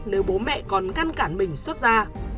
nếu bố mẹ còn ngăn cản mình xuất ra